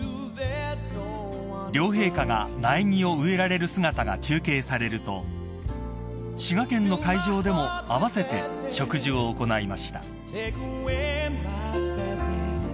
［両陛下が苗木を植えられる姿が中継されると滋賀県の会場でも合わせて植樹を行いました］